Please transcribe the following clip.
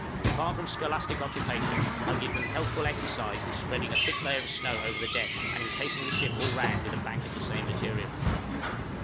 Apart from scholastic occupation, I give them healthful exercise in spreading a thick layer of snow over the deck, and encasing the ship all round with a bank of the same material.